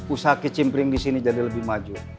usaha kicimpring di sini jadi lebih maju